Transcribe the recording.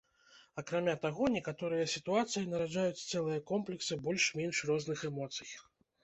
Акрамя таго, некаторыя сітуацыі нараджаюць цэлыя комплексы больш-менш розных эмоцый.